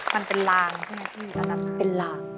มันเป็นลางแล้วมันเป็นลาง